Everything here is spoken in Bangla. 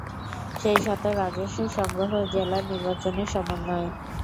সেইসাথে রাজস্ব সংগ্রহ ও জেলার নির্বাচনের সমন্বয়।